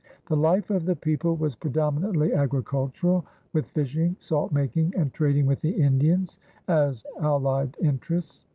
The life of the people was predominantly agricultural, with fishing, salt making, and trading with the Indians as allied interests.